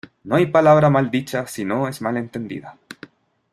No hay palabra mal dicha si no es mal entendida.